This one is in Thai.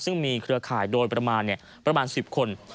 ซึ่งมีเครือข่ายโดยประมาณ๑๐คน